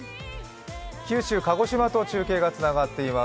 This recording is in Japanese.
九州・鹿児島と中継がつながっています。